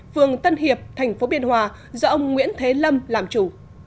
phường tân hiệp thành phố biên hòa do ông nguyễn thế lâm làm chủ